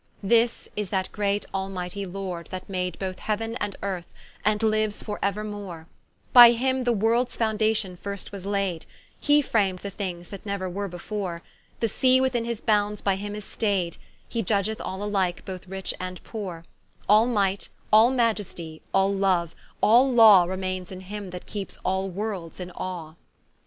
This is that great almightie Lord that made Both heauen and earth, and liues for euermore; By him the worlds foundation first was laid: He fram'd the things that neuer were before: The Sea within his bounds by him is staid, He judgeth all alike, both rich and poore: All might, all majestie, all loue, all lawe Remaines in him that keepes all worlds in awe.